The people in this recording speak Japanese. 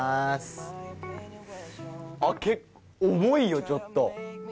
重いよ、ちょっと。